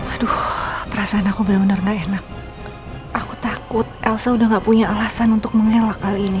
aduh perasaan aku benar benar gak enak aku takut elsa udah gak punya alasan untuk mengelak kali ini